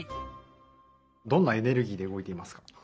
どんなエネルギ−でうごいていますか？